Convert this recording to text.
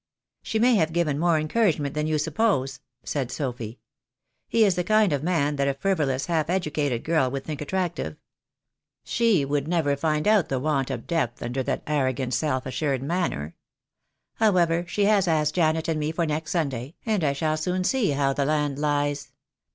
"She may have given more encouragement than you suppose," said Sophy. "He is the kind of man that a frivolous, half educated girl would think attractive. She would never find out the want of depth under that arro gant, self assured manner. However, she has asked Janet 154 THE DAY WILL come. and me for next Sunday, and I shall soon see how the land lies.